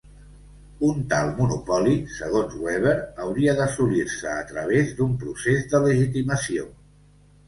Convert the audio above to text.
Un tal monopoli, segons Weber, hauria d'assolir-se a través d'un procés de legitimació.